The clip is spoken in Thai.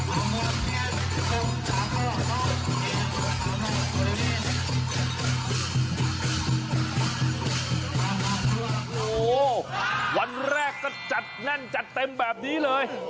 โอ้โหวันแรกก็จัดแน่นจัดเต็มแบบนี้เลย